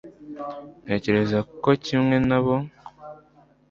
ntekereza ko kimwe nabo